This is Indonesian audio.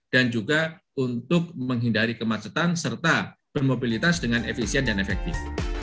dan juga untuk menghindari kemacetan serta bermobilitas dengan efisien dan efektif